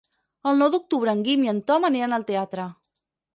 El nou d'octubre en Guim i en Tom aniran al teatre.